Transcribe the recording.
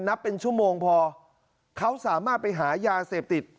นับเป็นชั่วโมงพอเขาสามารถไปหายาเสพติด